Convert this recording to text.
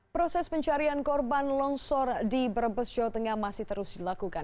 proses pencarian korban longsor di brebes jawa tengah masih terus dilakukan